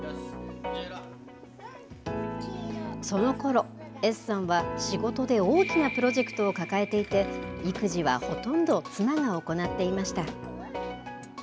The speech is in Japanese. そのころ、Ｓさんは仕事で大きなプロジェクトを抱えていて、育児はほとんど妻が行っていました。